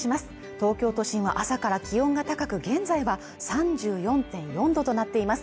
東京都心は朝から気温が高く現在は３４．４度となっています